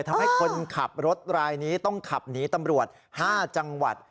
ทำให้คนขับรถรายนี้ต้องขับหนีตำรวจ๕จังหวัด